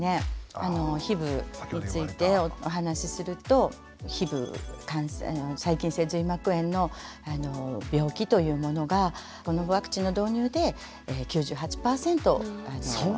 Ｈｉｂについてお話しするとＨｉｂ細菌性髄膜炎の病気というものがこのワクチンの導入で９８％。